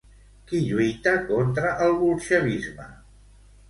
Qui lluita contra el bolxevisme?